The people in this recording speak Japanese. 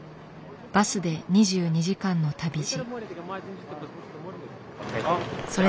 バスで２２時間の旅路。